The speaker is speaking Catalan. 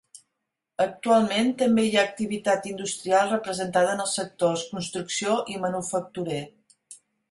Actualment també hi ha activitat industrial representada en els sectors construcció i manufacturer.